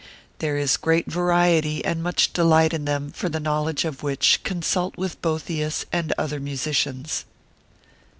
There is great variety and much delight in them; for the knowledge of which, consult with Boethius and other musicians.